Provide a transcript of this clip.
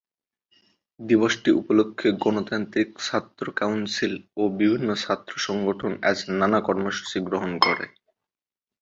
দিবসটি উপলক্ষে গণতান্ত্রিক ছাত্র কাউন্সিল ও বিভিন্ন ছাত্র সংগঠন আজ নানা কর্মসূচি গ্রহণ করে।